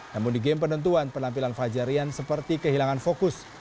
namun di game penentuan penampilan fajar rian seperti kehilangan fokus